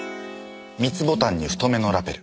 ３つボタンに太めのラベル。